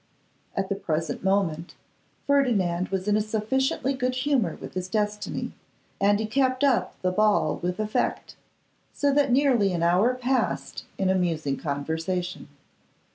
At the present moment, Ferdinand was in a sufficiently good humour with his destiny, and he kept up the ball with effect; so that nearly an hour passed in amusing conversation.